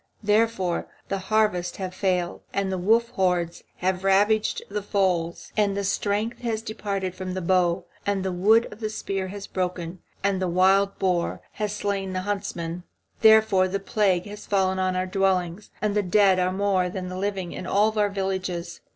Therefore the harvests have failed, and the wolf hordes have ravaged the folds, and the strength has departed from the bow, and the wood of the spear has broken, and the wild boar has slain the huntsman. Therefore the plague has fallen on our dwellings, and the dead are more than the living in all our villages.